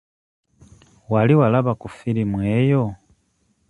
Wali walaba ku firimu eyo?